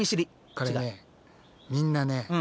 これねみんなね植物